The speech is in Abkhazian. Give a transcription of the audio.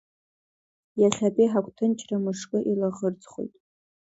Иахьатәи ҳагәҭынчра, мышкы илаӷырӡхоит…